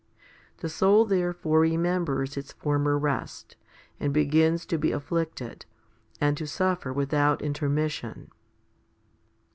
The soul therefore remembers its former rest, and begins to be afflicted, and to suffer without intermission.